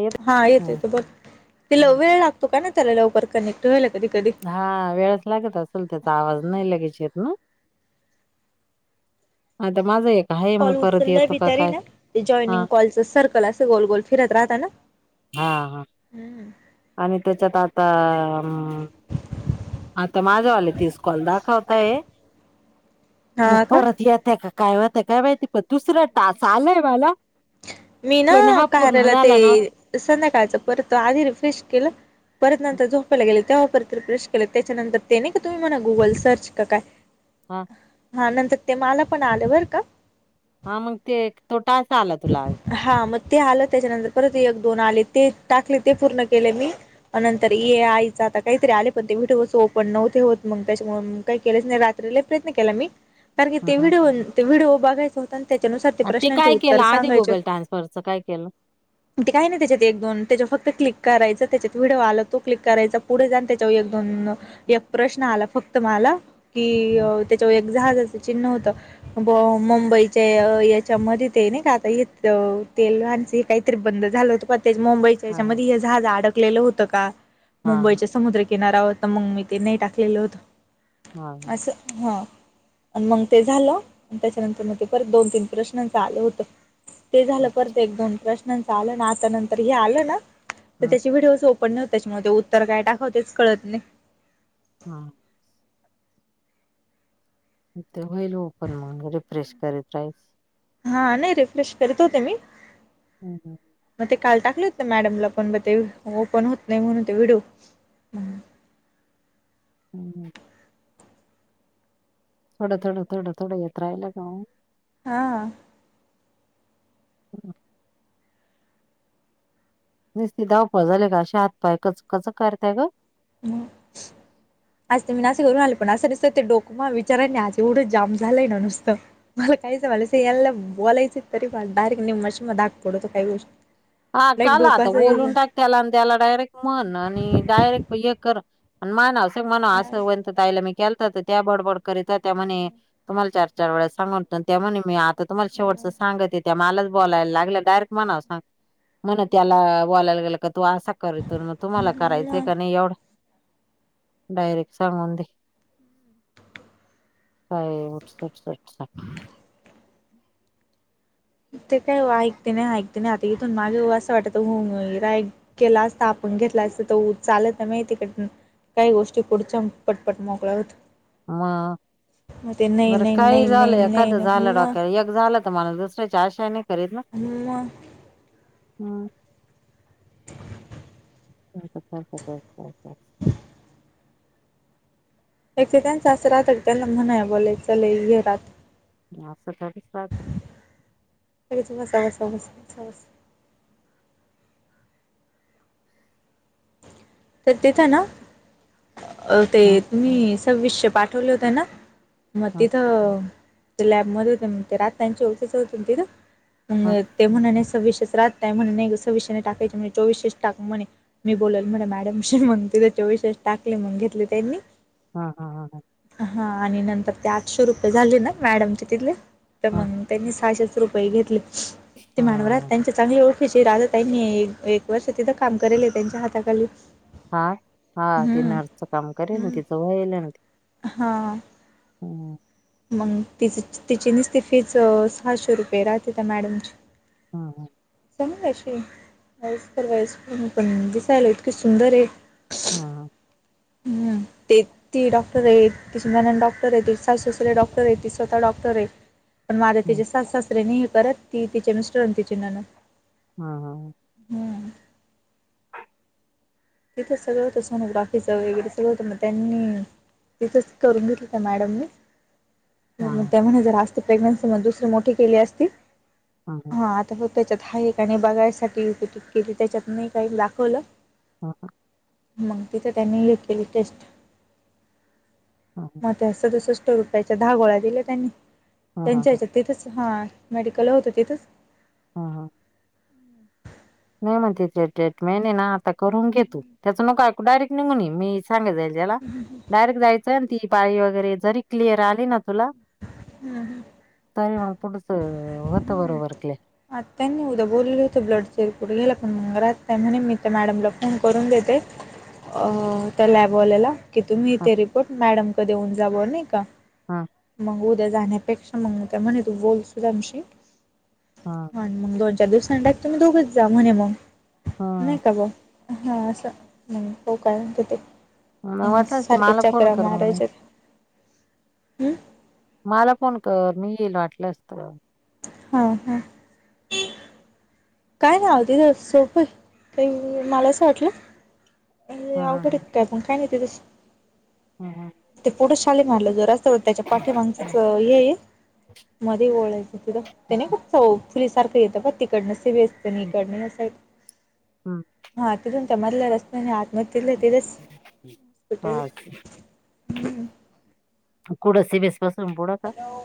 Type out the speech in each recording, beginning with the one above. येत हा येत हम्म येत बघ त ल वेळ लागतो का ना त्याला लवकर कनेक्ट व्हाय लागत हा वेळच लागत असेल त्याचा आवाज नाही लगेचेत ना आता माझा एक आहे मग कॉल परत उचललंय येतो बि का तारी काय ना ते हा जॉईनिंग कॉलचं सर्कल असं गोल गोल फिरत राहतना हा हा हम्म आणि त्याच्या त आता आता माझ्यावाले ती स्कॉल दाखवताय मग हा का परत येतय का काय वात काय माहिती पण दुसरा तास आलाय मला मी ना पण हा पूर्ण कराायला ते झाला नव्हता संध्याकाळच परतो आधी रिफ्रेश केलं परत नंतर झोपयला गेले प्र त्याच्यार नाही का तुम्ही म गुगल सर्चय हा सत्य मला पण आलं बर का हा मग ते तोटा असं आलात हा म ते आलं त्याच्यानंतर परत एक दोन आले ते टाकले ते पूर्ण केले मी नंतर ये आईचा आता काहीतरी आले पण ते भट बसो पण नव ते होत मग त्याच्या काही केलेच नाही रात्रीला प्रयत्न केला मी कारण की हं, ते हं. व्हिडिओ ते्हडिओ बघायं होत आणि त्याच्यानुसार ते आणि प्रश्नाचे काय केलं उत्तर आधी सांगायचे गुगल ट्रान्सफरच काय केलं ते काही नाही त्याच्यात एक दोन त्याच्या फक्त क्लिक करायच त्याच्यात व्हिडिओ आला तो क्लिक करायचा पुढे जान त्याच्यावर एक दोन एक प्रश्न आला फक्त मला कि हा त्याच्या जहा चिन्ह होत मुंबईच्या याच्यामध्येध्ये ते नाही का आता येत तेल वानचं हे काहीतरी बंद झालं होतं पण त्या मुंबईच्या हा हच्यामध्ये हे झाजं अडकलेलं होतं का हा मुंबईच्या समुद्रकिनारा होता मग मी ते नाही टाकलेलं हा होत असं हा आणि मग ते झालं त्याच्यानंतर मग ते परत दोन तीन प्रश्नांच आलं होत ते झालं परत एक दोन प्रश्नांचं आलं ना आता नंतर हे आलं ना तर हा त्याची व्हिडिओ सोप पण त्याच्यामुळे ते उत्तर काय टाकवतेच कळत नाही हा ते होईल ओपन मग रिफ्रेश करीत राहीस हा नाही रिफ्रेश करीत होते मी हम्म हम् मग ते काल टाकले होत ना मॅडमला पण ब ते ओपन होत नाही म्हणून व्हिडिओ [unintelligible] हम् थोडं थोडं थोडं थोडं यत राहियला का हां हम् नसती धावपळ झाले का अशा हातपाय कच कच करताय ग मग आज ते मी ना असे घरून आले पण असं नसत ते डोकमा विचारा नाही आज एवढं जाम झालंय ना नुसत मला काहीच से एला बोललैसित तरी बा डरेक्ट निम मशी मध हाक पोडत काय गोष्ट हा काला आता बोलून टाक त्याला आणि त्याला डायरेक्ट मन आणि डायरेक्ट कर मान असं म्हन असं काय होयंत ताईला मी केलतं त्या बडबड करीत त्या म्हणे तुम्हाला चार चार वेळास सांग त्या म्हणे मी आ तर तुमला शेवटचं सांगते त्या मलाच बोलायला लागल्या डायरेक्ट म्हणाव सांग मण त्याला बोलायला गेलं का तू असा करीतो मग तुम्हाला करायचंय मग काय नाही एवढं. डयरेक सांगुन दे. काय उठसुठ सटसट ते काय ओ ऐकते नाही ऐकते नाही आता इथून मागे असं वाटत हो ऐ केला असता आपण घेतला असतो चालत माहितीकडनं काही गोष्टी पुढच्या पटपट मोकळ होत म मग ते नाही बरं नाही काही नाही नाही झालं नाही एखादं नाही झालं मग डोक्या एक झालं तुम्हाला दुसऱ्याची आशानी हम्म म हम [inaudible] एकेकांच असं रातय त्यांना म्हणाय बोलायचा लय घे रात नी असं तर लगेच वसा वसा वसा वसा वस तर तेथं ना अ ते हम्म तुम्ही विष्य पाठवले होते ना मग हम्म तिथं ते लॅब मध्ये होते म्हण रात त्यांची आळखीचे होतीती ना हम्म मग ते म्हणाले सव्वीशेस रात नाहीय म्हणे नाही सव्वीशेने टाकायचे म्ह चोवीशेसच टाक म्हणे मी बोलल म्हणा मॅडमशी मग तिथं चोवीशेच टाकले मग घेतले त्यांनी. हा हा हा हा. हां आणि नंतर ते आठशे रुपये झाले ना मॅडमचे तिथले तर मग त्यांनी सहाशेच रुपये घेतले. ते मानवरात हा त्यांचे चांगले ओळखीचे आहेत त्यांनी त्यांनी एक वर्ष तिथं काम करेलेत. त्यांच्या हाताखाली. हा हा ते हं, नर्सच काम करेल तीच होईल ना ती. ह. मग तिची तिची नुसती फीच सहाशे रुपये राहते त्या मॅडमची. हं हं. समायशी वयस्कर वयस्कर पण दिसायला इतकी सुंदर आहे. हा हा. हम्म. ते ती डॉक्टर आहे, तिची ननंद डॉक्टर आहेत, सासु-सासरे डॉक्टर आहेत, ती स्वतः डॉक्टर आहे. पण माझ्या हम्म तिच्या सासु- सासऱ्यानी परत ती तिचे मिस्टर आणि तिची ननंद हा हा. हम्म तिथे सगळं होतं सोनोग्राफीचं वगैरे सगळं होतं म त्यांनी तिथंच करून घेतलं त्या मॅडमनी. हा हा त्या म्हणे जरा असती प्रेग्नन्सी म दुसरी मोठी केली असती, हा आता त्याच्यात हाय काय नाय बघायसाठी युपीटी केली त्याच्यात नाही काही दाखवलं. हह. मग तिथं त्यांनी हे केली टेस्ट मग त्या सदुसष्ट रुपयाच्या दहा गोळा दिल्या त्यांनी, हा हा त्यांच्या याच्या तिथेच हा मेडिकल होतं तिथंच. हा हा. मी म्हणते ते ट्रेटमेन आहे ना आता करून घे तु, त्याच नको ऐकू डयरेक्ट निघून ये मी सांगत जाईल त्याला डायरेक्ट जायचं आणि ती पाळी वगैरे जरी क्लिअर आली ना तुला हम्म [unintelligible] होतं हम्म. बरोबर क्लिअर आ त्यांनी उद्या बोललं होते ब्लड चे [unintelligible] म्हणे मी त्या मॅडमला फोन करून देते. अ त्या लॅबवाल्याला की तुम्ही ह ते रिपोर्ट मॅडम कड देऊन जावं नाही का? ह मग उद्या जाण्यापेक्षा मग त्या म्हणे तू बोल सुदामशी. ह मग दोन, चार दिवसांनी डायरेकट तुम्ही दोघंच जा म्हणे मग नाही ह का ग? हा असं हो काय तिथे? मग वाटलंस तर सारखे मला फोन चक्रा कर मग मी मारायच्या त्या. हम्म. मला फोन कर मी येईल वाटलंस तर. हा हा. काय ना अगदी सोप आहे मला असं वाटल. अ अवघडेत हम्म काय पण काय नाही त्याज. हम्म ते पुढं शाले मारलं जर असत त्याच्या पाठीमागचच येई मध्ये ओळायचं तिथं ते नाही हम्म का तो फुलीसारखं येतं पण तिकडन सीवीस हम्म, पलीकडन साईट. हम्म. हा तिथून त्या मधल्या रस्त्याने आतमध्ये तीथल तेजस हॉस्पिटल हा कुड सिबीस हॅलो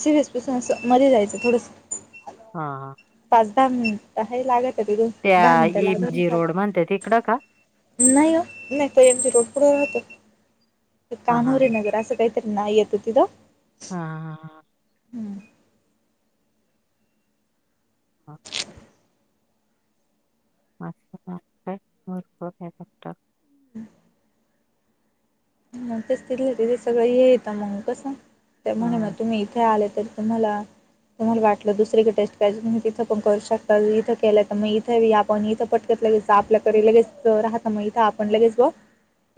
सिव्हीसपीसनस मध्ये जायचं थोडस. हा हा. पाच दहा मिनिट हे लागत तिथून त्या दहा मिनिटं एम जी लागतात. रोड म्हणते तिकडं का नाही हो नाही त यांचे रोड पुढे राहतो हा हा कान्होरीे नगर असं काही नाही येत तीथ. हा हा ह. हम् हा. [unintelligible] मग तेच तिथे तिथे सगळं येेत मंग कस ते म्हणे मग हं तुम्ही इथे आलेत. तर तुम्हाला तुम्हाला वाटलं दुसरीकडे टेस्ट कय तु तिथं पण करू शकता इथं केल तर मग इथे ही आपण इथं पटकत लगेच आपल्याकडे लगेच राहता, मग इथ आपण लगेच बघ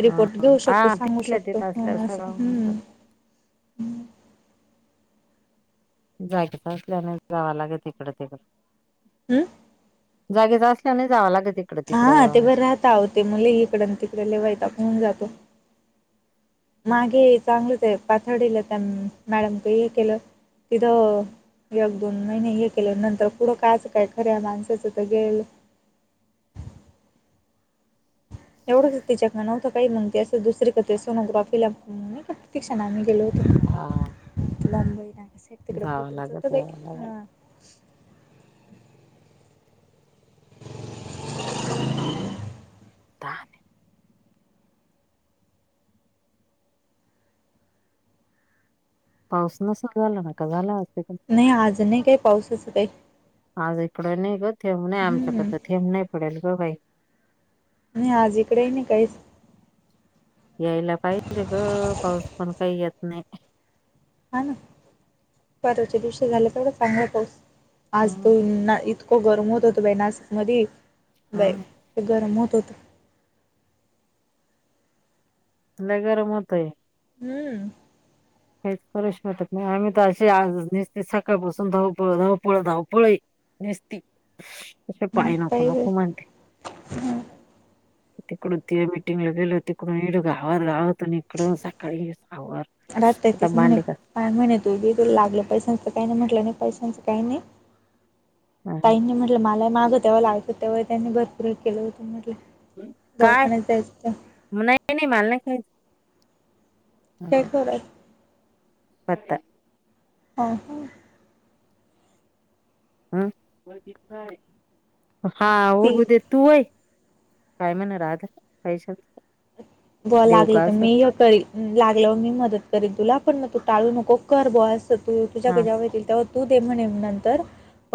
रिपोर्ट हं घेऊ हा शकतो. सांगू तिथल्या शकतो. तिथं असल्यावर हम, असं सगळं हम्म. जायचंच असल्याने जावं लागेल तिकड [unintelligible] हम्म! जागेच असल्याने जावं लाग हा, ते बरं राहत आहो, ते मुले इकडून तिकडे लय वैताग होउन जातो. मागे चांगलंच आहे पातडीलं त्या मॅडम हे केलं तिथं एक दोन महिने हे केले नंतर पुढं काचं काय खऱ्या माणसाचं तर गेल [inaudible] [unintelligible] एवढंच तिच्याकड नव्हतं का, ही मग ते असं दुसरी [unintelligible] सोनोग्राफीला नाही का प्रतिक्षान मी गेलो होतो हा मुंबई ना, तिकड [unintelligible] जावं होत लागत बाई यावं लागत अ. [inaudible] [inaudible] पाऊस नसल झाला, ना का झाला अजून नाही, आज नाही, काही पाऊसच काही आज इकडं नाही ग, थेंब नाही हम्म. आमच्याकड थेंब नाही पडल ग बाई नाही आज इकडे नाही काहीच यायला पाहिजे ग पाऊस पण काही येत नाही. हा, ना परवाच्या दिवशी झालं तेवढा चांगला पाऊस आज हं त यांना इतक गरम होत होत बाई नासिक मधी हं बाई गरम होत. [unintelligible] [inaudible] लय गरम होतय. हम्म. काहीच करुशी वाटत नाही, आम्ही तर असे आज नुसतीच सकाळपासून धावपळ, धावपळ, धावपळ, हाय. नसती अस पाय नको पाहिजे नको म्हणती. हं तिकडून ती मीटिंगला गेलो. तिकडूनड [unintelligible] न इकड सकाळी आवर राहते म्हणे काय म्हणे तू बी तुला लागलं पैशांचं काही नाही ताईंनी म्हटलं मला मागं तेव्हा लागले तेव्हा त्यांनी भरपूर केलं होत म्हटलं काय दवाखान्यात जायचं होत. नाही नाही मला नाही खायचं काय कर पत हा हा. हम्म. ओळखीचा हा हो ती बधे तू होय. काय म्ह ना राधा पैशाच ब देऊ लागलं का तर असं मी करीन लागलं मी मदत करीन तुला पण मग तू टाळू नको कर बो तू हा तुझ्याकडे जवा येतील तेव्हा तू दे म्हणे नंतर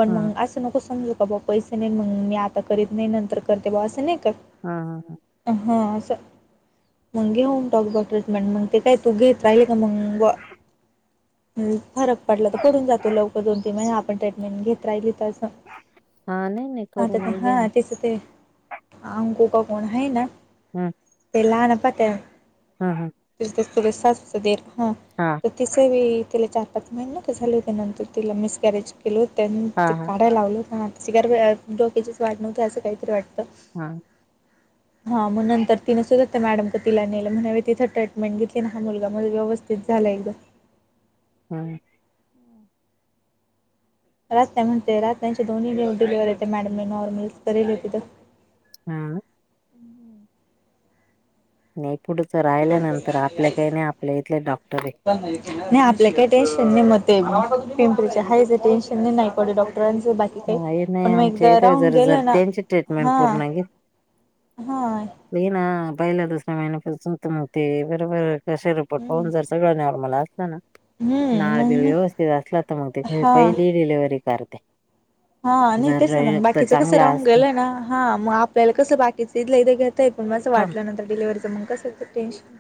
पण हा मग असं नको समजू का बाऊ पैसे नाही मग मी आता करीत नाही नंतर करते बाऊ असं नाही क हा हां असा मग घेवून टाक ट्रीटमेंट मग ते काय तू घेत राहिल का मग फरक पडला तर पडून जातो लवकर दोन तीन महिने आपण ट्रीटमेंट घेत राहिली हा हा नाही नाही आता ते करून घे हा तेच ते अंको का कोण आहे ना हम् लाहनं पत्या तस हा तस त्याच्या सासूचा दीर हा तिचे बी पत महिन का झाल त्या नंतर तिला मिसकॅरेज केल त्या हा ते हा हा काढा लावलो का र डोक्याचीच वाट नव्हते असं काहीतरी वाटत हा हा मग नंतर तिन सुद्धा त्या मॅडम का तिला नेलं म्हणा तिथं ट्रीटमेंट घेतली ना हा मुलगा मग व्यवस्थित झालाय एकदम [inaudible] हम्म रात्या म्हणते रात्यांचे दोन्ही डिलेवर्हर येते मॅडमने नॉर्मल करेले तिथं हा नाही पुढच राहिल्यानंतर आपल्या काही नाही आपल्या इथले डॉक्टर आहे नाही आपल्या काही टेन्शन नाही म पिंपरीच्या हायच टेन्शन नाही डॉक्ट ह हे नाही आमच्या इथं राहून जर जर गेलं ना त्यांची ट्रीटमेंट हा पूर्ण घे हा लै ना पहिला दुसऱ्या महिन्या त्यांच्या मते बरोबर तसे रिपोर्ट हम्म पाहून जर सगळं नॉर्मल असलं ना हम्म मग नाळबिळ नाही व्यवस्थित असला तर मग हा पहिली डिलिव्हरी करते हा नाही जर तेच ना मग रक्त बाकीचं कसं चांगला राहून असला गेलंय ना हा मग आपल्याला कसं बाकीच इथल्या इथ घेता येतं थांब वाटलं नंतर डिलिव्हीचं मग कसं टेन्शन